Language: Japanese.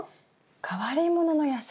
変わりものの野菜？